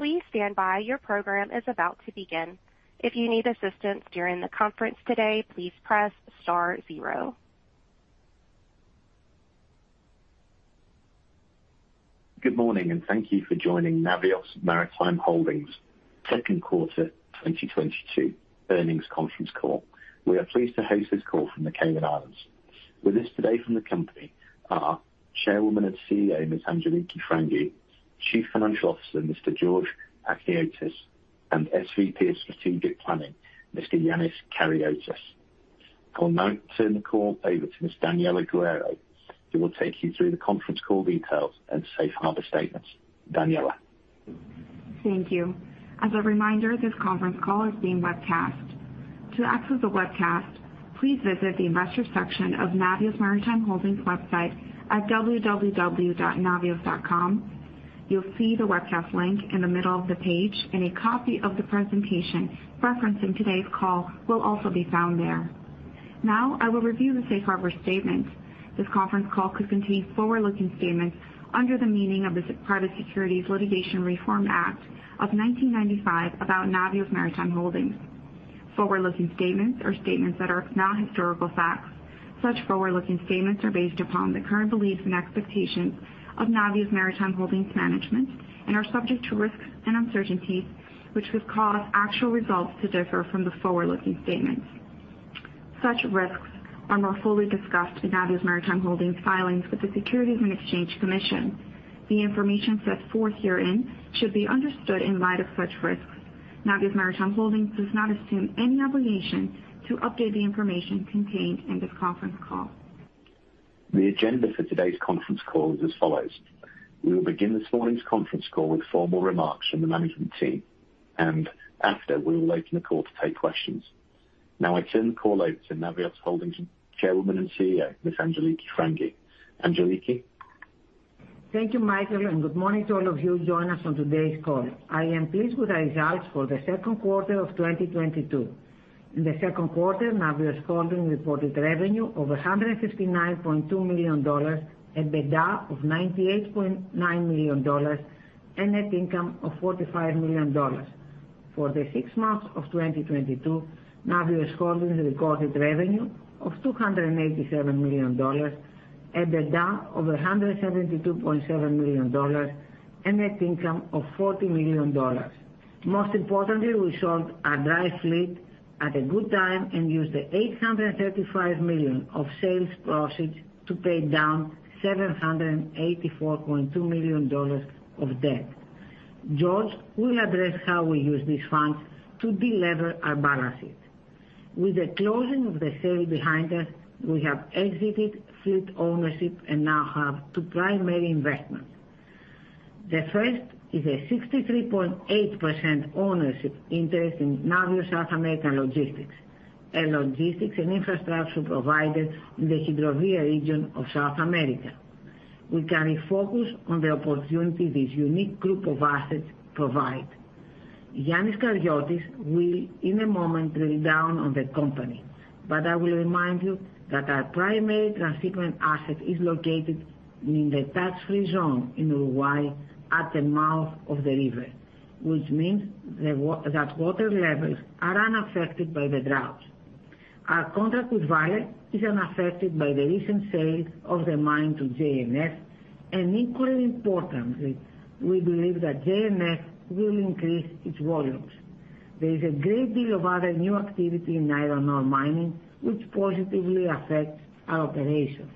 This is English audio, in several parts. Please stand by. Your program is about to begin. If you need assistance during the conference today, please press star zero. Good morning, and thank you for joining Navios Maritime Holdings Second Quarter 2022 Earnings Conference Call. We are pleased to host this call from the Cayman Islands. With us today from the company are Chairwoman and CEO, Ms. Angeliki Frangou, Chief Financial Officer, Mr. George Achniotis, and SVP of Strategic Planning, Mr. Ioannis Karyotis. I will now turn the call over to Ms. Daniela Guerrero, who will take you through the conference call details and safe harbor statements. Daniela. Thank you. As a reminder, this conference call is being webcast. To access the webcast, please visit the investor section of Navios Maritime Holdings website at www.navios.com. You'll see the webcast link in the middle of the page, and a copy of the presentation referencing today's call will also be found there. Now I will review the safe harbor statement. This conference call could contain forward-looking statements under the meaning of the Private Securities Litigation Reform Act of 1995 about Navios Maritime Holdings. Forward-looking statements are statements that are not historical facts. Such forward-looking statements are based upon the current beliefs and expectations of Navios Maritime Holdings management and are subject to risks and uncertainties which could cause actual results to differ from the forward-looking statements. Such risks are more fully discussed in Navios Maritime Holdings filings with the Securities and Exchange Commission. The information set forth herein should be understood in light of such risks. Navios Maritime Holdings does not assume any obligation to update the information contained in this conference call. The agenda for today's conference call is as follows: We will begin this morning's conference call with formal remarks from the management team, and after we will open the call to take questions. Now I turn the call over to Navios Holdings Chairwoman and CEO, Ms. Angeliki Frangou. Angeliki. Thank you, Michael, and good morning to all of you joining us on today's call. I am pleased with the results for the second quarter of 2022. In the second quarter, Navios Holdings reported revenue of $159.2 million, EBITDA of $98.9 million, and net income of $45 million. For the six months of 2022, Navios Holdings recorded revenue of $287 million, EBITDA of $172.7 million, and net income of $40 million. Most importantly, we sold our dry fleet at a good time and used the $835 million of sales proceeds to pay down $784.2 million of debt. George will address how we use these funds to deleverage our balance sheet. With the closing of the sale behind us, we have exited fleet ownership and now have two primary investments. The first is a 63.8% ownership interest in Navios South American Logistics, a logistics and infrastructure provider in the Hidrovia region of South America. We can refocus on the opportunity this unique group of assets provide. Ioannis Karyotis will, in a moment, drill down on the company, but I will remind you that our primary transhipment asset is located in the tax-free zone in Uruguay at the mouth of the river, which means the water levels are unaffected by the drought. Our contract with Vale is unaffected by the recent sale of the mine to J&F. Equally importantly, we believe that J&F will increase its volumes. There is a great deal of other new activity in iron ore mining, which positively affects our operations.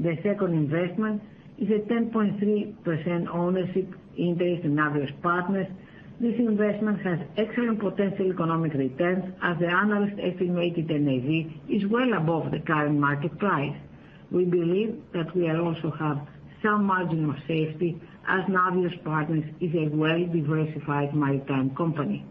The second investment is a 10.3% ownership interest in Navios Partners. This investment has excellent potential economic returns as the analyst estimated NAV is well above the current market price. We believe that we also have some margin of safety as Navios Partners is a well-diversified maritime company.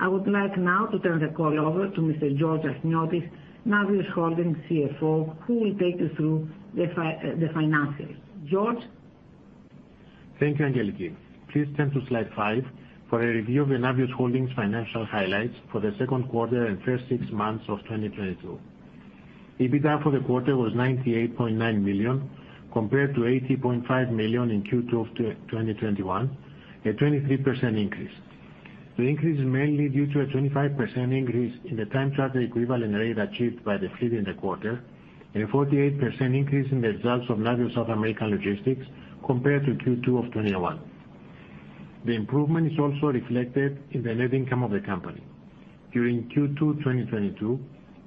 I would like now to turn the call over to Mr. George Achniotis, Navios Holdings CFO, who will take you through the financials. George? Thank you, Angeliki. Please turn to Slide five for a review of the Navios Holdings financial highlights for the second quarter and first six months of 2022. EBITDA for the quarter was $98.9 million, compared to $80.5 million in Q2 of 2021, a 23% increase. The increase is mainly due to a 25% increase in the time charter equivalent rate achieved by the fleet in the quarter and a 48% increase in the results of Navios South American Logistics compared to Q2 of 2021. The improvement is also reflected in the net income of the company. During Q2 2022,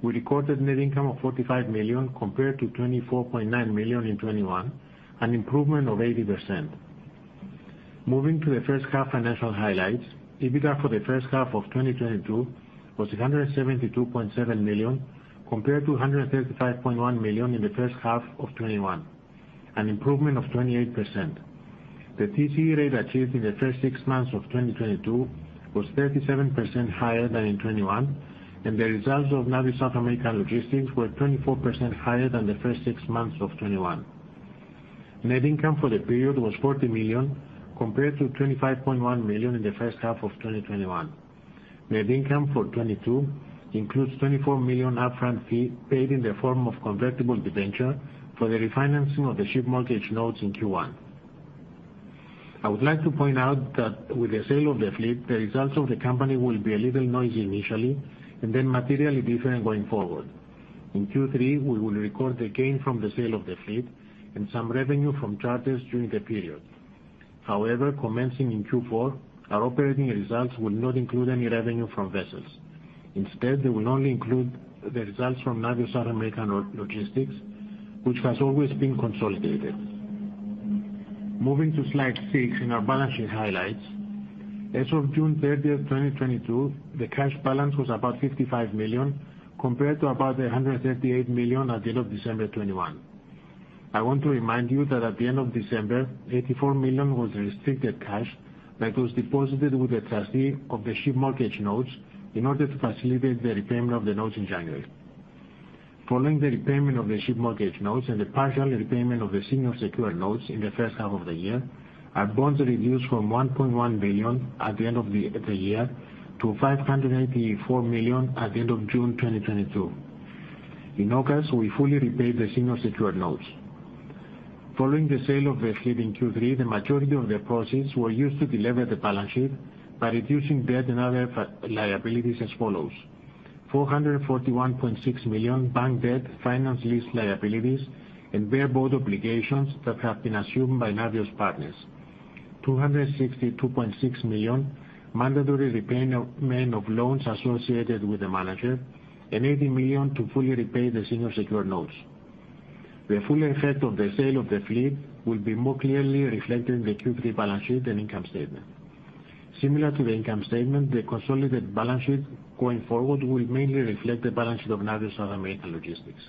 we recorded net income of $45 million compared to $24.9 million in 2021, an improvement of 80%. Moving to the first half financial highlights, EBITDA for the first half of 2022 was $172.7 million, compared to $135.1 million in the first half of 2021, an improvement of 28%. The TCE rate achieved in the first six months of 2022 was 37% higher than in 2021, and the results of Navios South American Logistics were 24% higher than the first six months of 2021. Net income for the period was $40 million, compared to $25.1 million in the first half of 2021. Net income for 2022 includes $24 million upfront fee paid in the form of convertible debenture for the refinancing of the ship mortgage notes in Q1. I would like to point out that with the sale of the fleet, the results of the company will be a little noisy initially and then materially different going forward. In Q3, we will record the gain from the sale of the fleet and some revenue from charters during the period. However, commencing in Q4, our operating results will not include any revenue from vessels. Instead, they will only include the results from Navios South American Logistics, which has always been consolidated. Moving to Slide six in our balance sheet highlights. As of June 30th, 2022, the cash balance was about $55 million, compared to about $138 million at the end of December 2021. I want to remind you that at the end of December, $84 million was restricted cash that was deposited with the trustee of the ship mortgage notes in order to facilitate the repayment of the notes in January. Following the repayment of the ship mortgage notes and the partial repayment of the senior secured notes in the first half of the year, our bonds reduced from $1.1 billion at the end of the year to $584 million at the end of June 2022. In August, we fully repaid the senior secured notes. Following the sale of the fleet in Q3, the majority of the proceeds were used to delever the balance sheet by reducing debt and other liabilities as follows. $441.6 million bank debt, finance lease liabilities, and bareboat obligations that have been assumed by Navios Partners. $262.6 million mandatory repayment of loans associated with the manager and $80 million to fully repay the senior secured notes. The full effect of the sale of the fleet will be more clearly reflected in the Q3 balance sheet and income statement. Similar to the income statement, the consolidated balance sheet going forward will mainly reflect the balance sheet of Navios South American Logistics.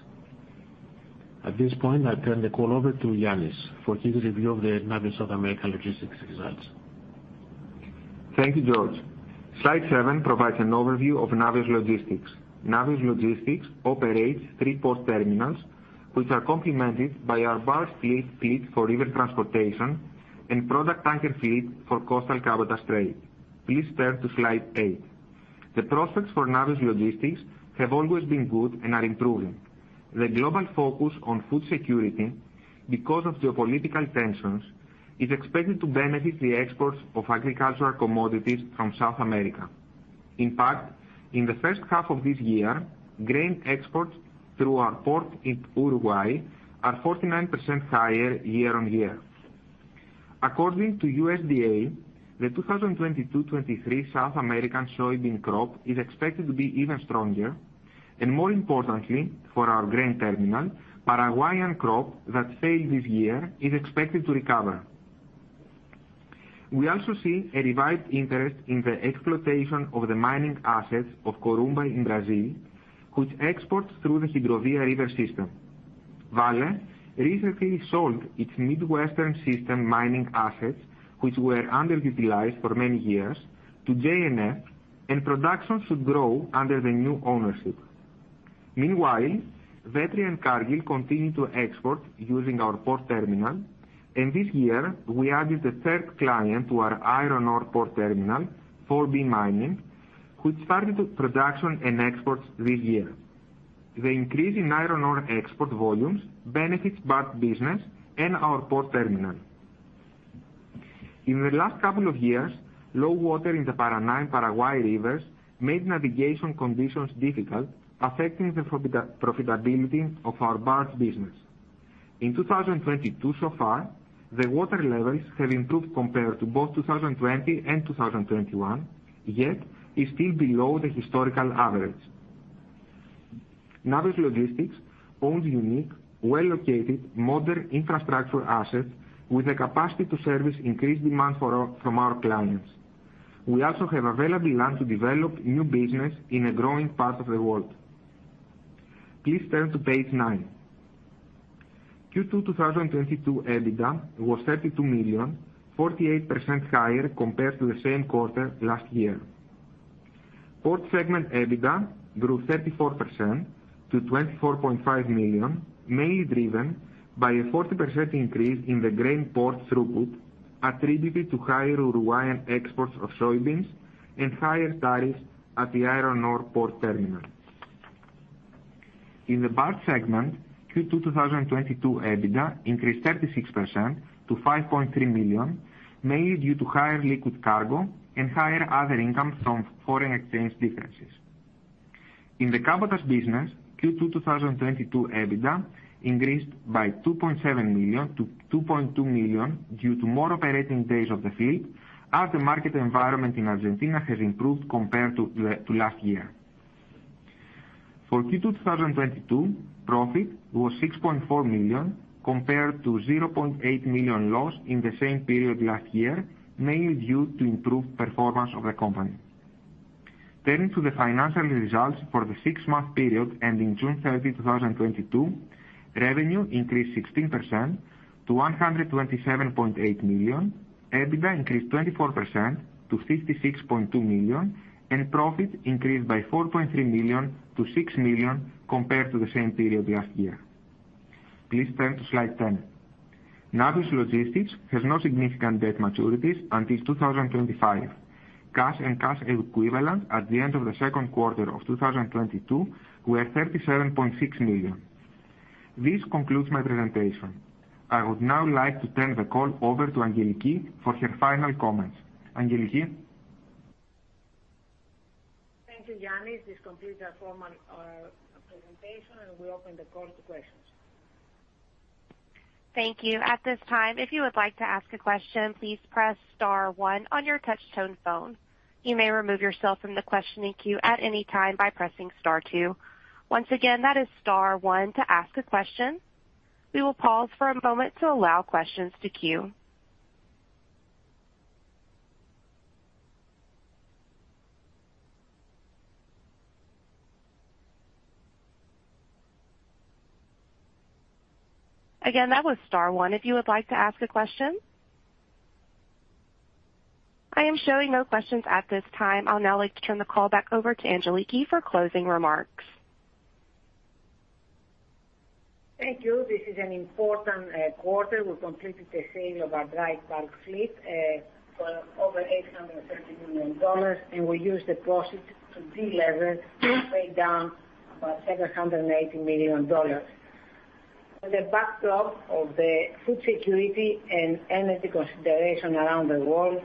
At this point, I'll turn the call over to Ioannis for his review of the Navios South American Logistics results. Thank you, George. Slide seven provides an overview of Navios Logistics. Navios Logistics operates three port terminals, which are complemented by our barge fleet for river transportation and product tanker fleet for coastal cabotage trade. Please turn to Slide eight. The prospects for Navios Logistics have always been good and are improving. The global focus on food security because of geopolitical tensions is expected to benefit the exports of agricultural commodities from South America. In fact, in the first half of this year, grain exports through our port in Uruguay are 49% higher year-over-year. According to USDA, the 2022-2023 South American soybean crop is expected to be even stronger. More importantly, for our grain terminal, Paraguayan crop that failed this year is expected to recover. We also see a revived interest in the exploitation of the mining assets of Corumbá in Brazil, which exports through the Hidrovia River system. Vale recently sold its Midwestern system mining assets, which were underutilized for many years, to J&F, and production should grow under the new ownership. Meanwhile, Vetria and Cargill continue to export using our port terminal. This year, we added a third client to our iron ore port terminal, 4B Mining, which started production and exports this year. The increase in iron ore export volumes benefits both business and our port terminal. In the last couple of years, low water in the Paraná and Paraguay rivers made navigation conditions difficult, affecting the profitability of our barge business. In 2022 so far, the water levels have improved compared to both 2020 and 2021, yet it's still below the historical average. Navios Logistics owns unique, well-located modern infrastructure assets with the capacity to service increased demand from our clients. We also have available land to develop new business in a growing part of the world. Please turn to Page nine. Q2 2022 EBITDA was $32 million, 48% higher compared to the same quarter last year. Port segment EBITDA grew 34% to $24.5 million, mainly driven by a 40% increase in the grain port throughput attributed to higher Uruguayan exports of soybeans and higher tariffs at the iron ore port terminal. In the barge segment, Q2 2022 EBITDA increased 36% to $5.3 million, mainly due to higher liquid cargo and higher other income from foreign exchange differences. In the cabotage business, Q2 2022 EBITDA increased by $2.7 million-$2.2 million due to more operating days of the fleet, as the market environment in Argentina has improved compared to last year. For Q2 2022, profit was $6.4 million, compared to $0.8 million loss in the same period last year, mainly due to improved performance of the company. Turning to the financial results for the six-month period ending June 30, 2022, revenue increased 16% to $127.8 million. EBITDA increased 24% to $66.2 million, and profit increased by $4.3 million-$6 million compared to the same period last year. Please turn to Slide 10. Navios Logistics has no significant debt maturities until 2025. Cash and cash equivalents at the end of the second quarter of 2022 were $37.6 million. This concludes my presentation. I would now like to turn the call over to Angeliki for her final comments. Angeliki? Thank you, Ioannis. This completes our formal presentation, and we open the call to questions. Thank you. At this time, if you would like to ask a question, please press star one on your touch tone phone. You may remove yourself from the questioning queue at any time by pressing star two. Once again, that is star one to ask a question. We will pause for a moment to allow questions to queue. Again, that was star one if you would like to ask a question. I am showing no questions at this time. I'll now like to turn the call back over to Angeliki for closing remarks. Thank you. This is an important quarter. We completed the sale of our dry bulk fleet for over $830 million, and we use the proceeds to deleverage to pay down about $780 million. With the backdrop of the food security and energy considerations around the world,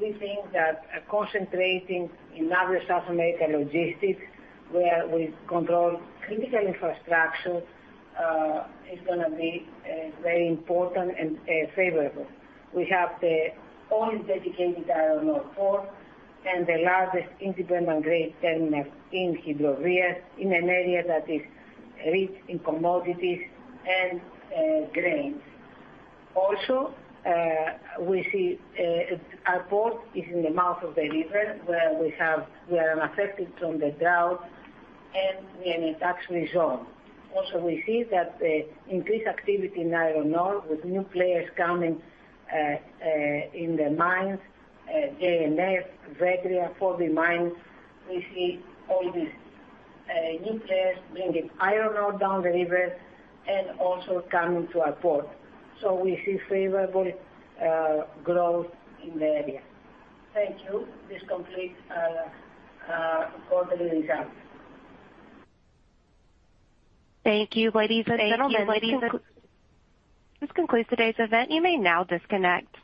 we think that concentrating in Navios South American Logistics, where we control critical infrastructure, is gonna be very important and favorable. We have the only dedicated iron ore port and the largest independent grain terminal in Hidrovia, in an area that is rich in commodities and grains. Also, we see our port is in the mouth of the river where we are unaffected from the drought and we are in a tax zone. Also, we see that the increased activity in iron ore with new players coming in the mines, J&F, Vale, 4B mines. We see all these new players bringing iron ore down the river and also coming to our port. We see favorable growth in the area. Thank you. This completes quarterly results. Thank you. Ladies and gentlemen, this concludes today's event. You may now disconnect.